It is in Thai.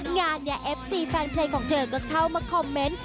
งานนี้เอฟซีแฟนเพลงของเธอก็เข้ามาคอมเมนต์